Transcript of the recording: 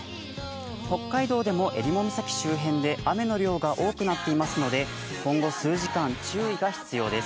北海道でも襟裳岬周辺で雨の量が多くなっていますので、今後数時間注意が必要です。